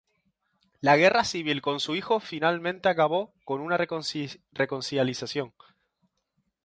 La guerra civil con su hijo finalmente acabó con una reconciliación.